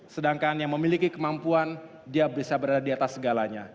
sedangkan yang memiliki kemampuan dia bisa berada di atas segalanya